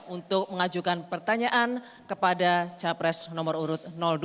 untuk mengajukan pertanyaan kepada capres nomor urut dua